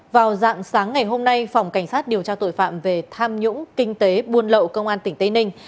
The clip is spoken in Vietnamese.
vào dạng sáng ngày hôm nay phòng cảnh sát điều tra tội phạm về tham nhũng kinh tế buôn lậu công an tỉnh tây ninh